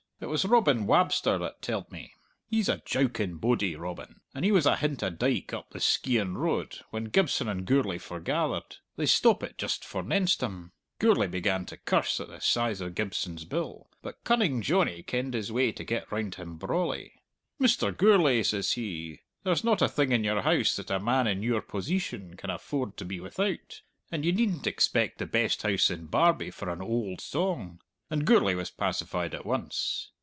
It was Robin Wabster that telled me. He's a jouking bodie, Robin, and he was ahint a dike up the Skeighan Road when Gibson and Gourlay forgathered they stoppit just forenenst him! Gourlay began to curse at the size of Gibson's bill, but Cunning Johnny kenned the way to get round him brawly. 'Mr. Gourlay,' says he, 'there's not a thing in your house that a man in your poseetion can afford to be without, and ye needn't expect the best house in Barbie for an oald song!' And Gourlay was pacified at once!